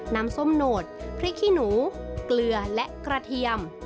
น้ำส้มโหนดพริกขี้หนูเกลือและกระเทียม